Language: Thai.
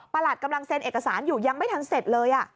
กำลังเซ็นเอกสารอยู่ยังไม่ทันเสร็จเลย